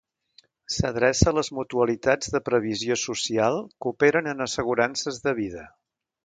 S'adreça a les mutualitats de previsió social que operen en assegurances de vida.